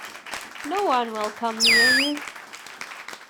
No one will come near you.